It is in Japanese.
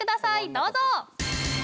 どうぞ！